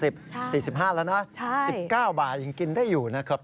๔๕แล้วนะ๑๙บาทยังกินได้อยู่นะครับ